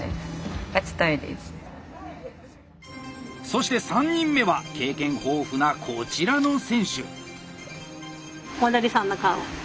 そして３人目は経験豊富なこちらの選手！